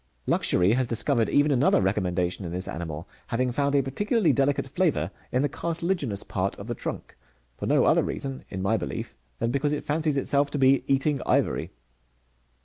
Luxury has discovered even another recommendation in this animal, having found a particularly delicate flavour in the cartilaginous part of the trunk, for no other reason, in my belief, than because it fancies itself to be eating ivory.